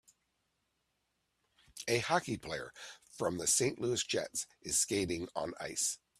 A hockey player from the St Louis Jets is skating on ice